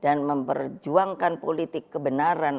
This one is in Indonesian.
dan memperjuangkan politik kebenaran